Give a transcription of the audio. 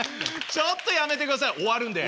ちょっとやめてください終わるんで。